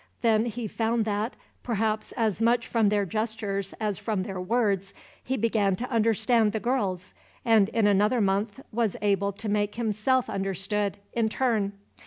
Then he found that, perhaps as much from their gestures as from their words, he began to understand the girls; and in another month was able to make himself understood, in turn.